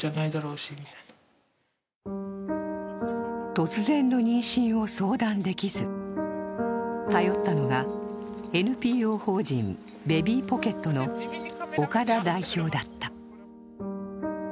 突然の妊娠を相談できず、頼ったのがＮＰＯ法人Ｂａｂｙぽけっとの岡田代表だった。